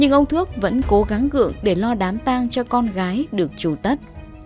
nhưng ông thước vẫn cố gắng gượng để lo đám tang cho con gái được trù tất